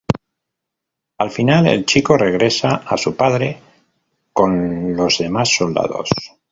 Al final, el chico regresa a su padre, con los demás soldados.